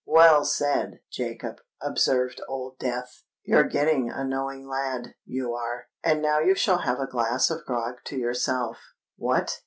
"Well said, Jacob," observed Old Death. "You're getting a knowing lad—you are; and now you shall have a glass of grog to yourself." "What!